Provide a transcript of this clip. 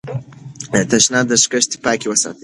د تشناب دستکشې پاکې وساتئ.